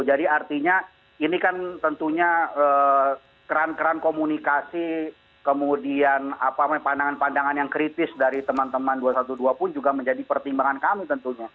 jadi artinya ini kan tentunya keran keran komunikasi kemudian pandangan pandangan yang kritis dari teman teman dua ratus dua belas pun juga menjadi pertimbangan kami tentunya